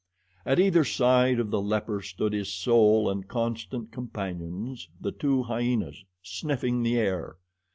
At either side of the leper stood his sole and constant companions, the two hyenas, sniffing the air.